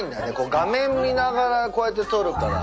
画面見ながらこうやって撮るから。